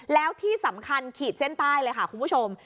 แล้วที่สำคัญขีดเส้นใต้เลยค่ะคุณผู้ชม